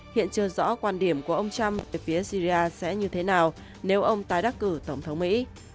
hiện chưa rõ quan điểm của ông trump về phía syria sẽ như thế nào nếu ông tái đắc cử tổng thống mỹ